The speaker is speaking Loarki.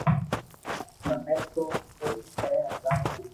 مني تو ڪوئي ھي اندازي